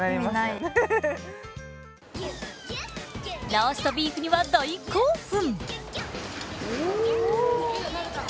ローストビーフには大興奮。